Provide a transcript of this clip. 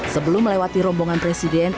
sebelum melewati rombongan presiden